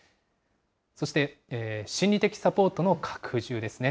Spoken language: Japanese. そして心理的サポートの拡充ですね。